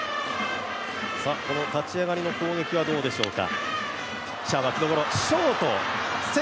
立ち上がりの攻撃はどうでしょうか。